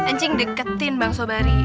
ncing deketin bang sobari